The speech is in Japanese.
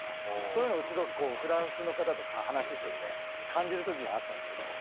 そういうのすごくフランスの方と話してて感じるときがあったんですけどそういうね